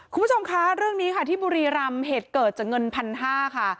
คุณผู้ชมคะเรื่องนี้ค่ะที่บุรีรำเหตุเกิดจากเงินพันห้าค่ะ